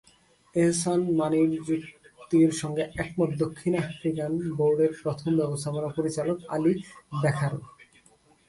এহসান মানির যুক্তির সঙ্গে একমত দক্ষিণ আফ্রিকান বোর্ডের প্রথম ব্যবস্থাপনা পরিচালক আলী ব্যাখারও।